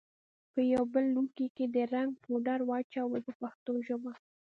په یوه بېل لوښي کې د رنګ پوډر واچوئ په پښتو ژبه.